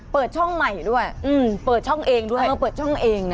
เปิดช่องใหม่ด้วยเปิดช่องเองด้วยเออเปิดช่องเองนะ